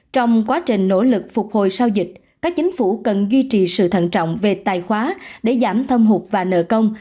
trong quá trình nỗ lực phục hồi sau dịch các chính phủ cần duy trì sự thận trọng về tài khoá để giảm thâm hụt và nợ công